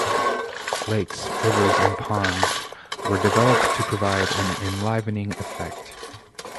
Lakes, rivers and ponds were developed to provide an enlivening effect.